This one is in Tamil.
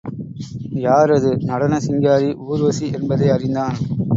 யார் அது? நடன சிங்காரி ஊர்வசி என்பதை அறிந்தான்.